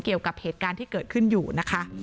เกี่ยวกับเหตุการณ์ที่เกิดขึ้นอยู่นะคะ